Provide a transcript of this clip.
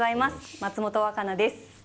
松本若菜です。